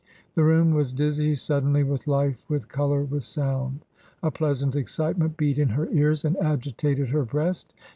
The room was dizzy suddenly with life, with colour, with sound — a pleasant excitement beat in her ears and agitated her breast.